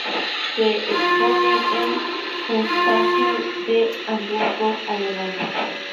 Se expone en Kunsthalle de Hamburgo, Alemania.